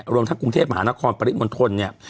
รวมทั้งกรุงเทพมหานครปริมณฑลเนี่ย